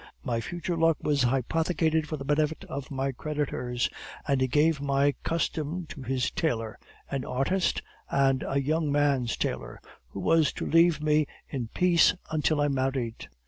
My future luck was hypothecated for the benefit of my creditors, and he gave my custom to his tailor, an artist, and a young man's tailor, who was to leave me in peace until I married.